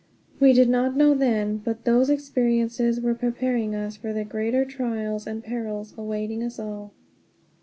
We did not know then, but those experiences were preparing us for the greater trials and perils awaiting us all.